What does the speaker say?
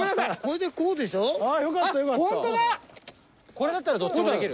これだったらどっちもできる。